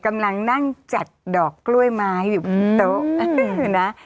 กำลังนั่งจัดดอกกล้วยไม้อยู่บนโต๊ะนะ